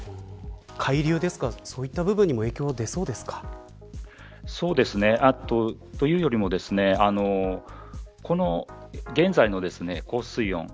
海流ですとか、そういった部分にも影響は出そうですか。というよりも現在の高水温